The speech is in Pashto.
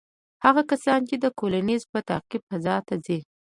هغه کسان چې د کولینز په تعقیب فضا ته ځي،